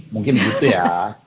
mungkin gitu ya